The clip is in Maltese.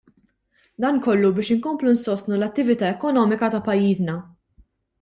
Dan kollu biex inkomplu nsostnu l-attività ekonomika ta' pajjiżna.